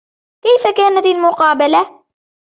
كيف كانت المقابلة ؟